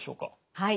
はい。